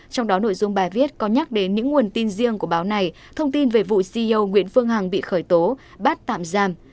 trong đó nội dung bài viết có nhắc đến những nguồn tin riêng của báo này thông tin về vụ ceo nguyễn phương hằng bị khởi tố bắt tạm giam